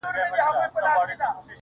دادی حالاتو سره جنگ کوم لگيا يمه زه.